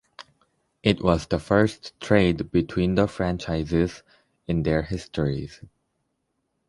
It was the first trade between the franchises in their histories.